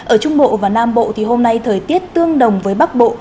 ở trung bộ và nam bộ thì hôm nay thời tiết tương đồng với bắc bộ